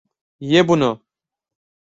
Ye bunu!